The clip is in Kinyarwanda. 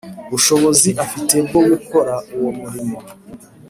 bushobozi afite bwo gukora uwo murimo